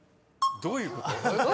どういうこと？